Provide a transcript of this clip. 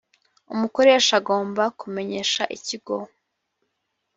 umukoresha agomba kumenyesha ikigo